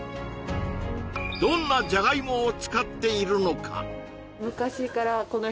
どんなじゃがいもを使っているのか？